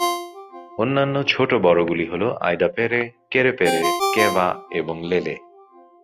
অন্যান্য ছোট বরোগুলি হল আইডাপেরে, কেরেপেরে, কেভা এবং লেলে।